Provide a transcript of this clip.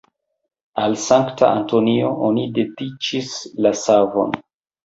Al Sankta Antonio oni dediĉis la savon.